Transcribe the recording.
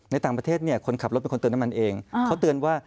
ในต่างประเทศเนี่ยคนขับรถเป็นคนเติมน้ำมันเองเขาเตือนว่า